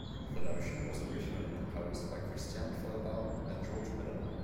The notion was originally proposed by Christiane Fellbaum and George Miller.